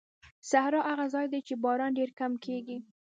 صحرا هغه ځای دی چې باران ډېر کم کېږي.